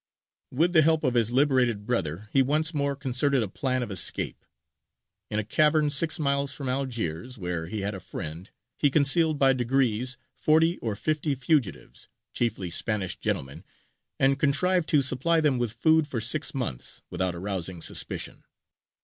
With the help of his liberated brother he once more concerted a plan of escape. In a cavern six miles from Algiers, where he had a friend, he concealed by degrees forty or fifty fugitives, chiefly Spanish gentlemen, and contrived to supply them with food for six months, without arousing suspicion.